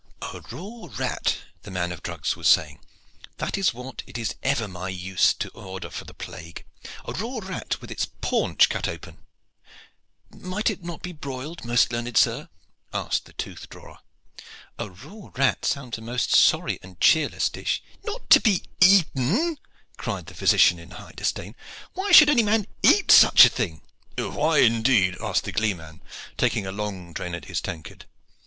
"A raw rat," the man of drugs was saying, "that is what it is ever my use to order for the plague a raw rat with its paunch cut open." "Might it not be broiled, most learned sir?" asked the tooth drawer. "A raw rat sounds a most sorry and cheerless dish." "Not to be eaten," cried the physician, in high disdain. "Why should any man eat such a thing?" "Why indeed?" asked the gleeman, taking a long drain at his tankard.